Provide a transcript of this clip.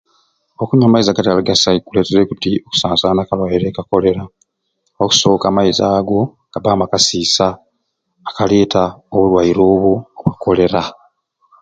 Okunywa amaizi agatali agasai kuletere kuti okusasana kwa kalwaire ka kolera okusoka amaizi ago gabamu akasisa akaleeta obulwaire obwo obwa koleera.